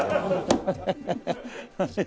ハハハハ。